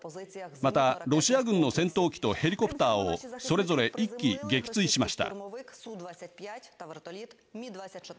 また、ロシア軍の戦闘機とヘリコプターをそれぞれ１機、撃墜しました。